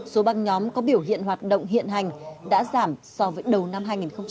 số băng nhóm có biểu hiện hoạt động hiện hành đã giảm so với đầu năm hai nghìn một mươi chín